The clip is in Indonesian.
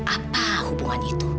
apa hubungan itu